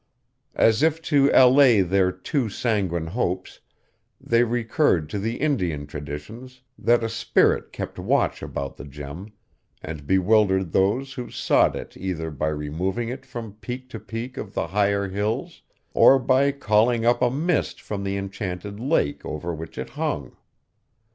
As if to allay their too sanguine hopes, they recurred to the Indian traditions that a spirit kept watch about the gem, and bewildered those who sought it either by removing it from peak to peak of the higher hills, or by calling up a mist from the enchanted lake over which it hung.